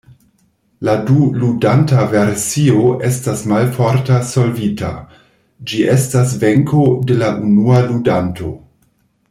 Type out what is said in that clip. La du-ludanta versio estas malforte solvita; ĝi estas venko de la unua ludanto.